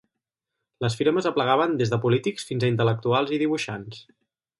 Les firmes aplegaven des de polítics fins a intel·lectuals i dibuixants.